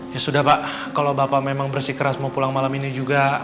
ya sudah pak kalau bapak memang bersikeras mau pulang malam ini juga